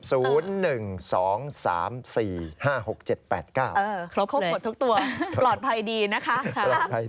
ครบหมดทุกตัวปลอดภัยดีนะคะ